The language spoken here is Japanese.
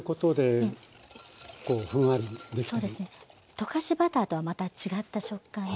溶かしバターとはまた違った食感で。